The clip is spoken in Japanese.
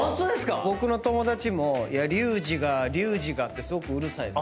僕の友達も「リュウジがリュウジが」ってすごくうるさいです。